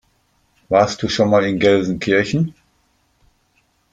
Warst du schon mal in Gelsenkirchen?